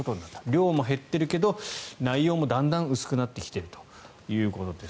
量も減っているけど内容もだんだん薄くなってきているということです。